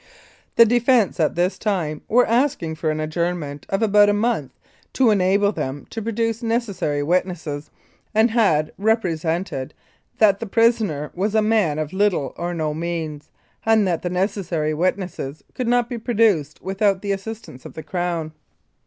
The defence at this time were asking for an adjourn ment of about a month to enable them to produce necessary witnesses, and had represented that the pris oner was a man of little or no means, and that the necessary witnesses could not be produced without the assistance of the Crown.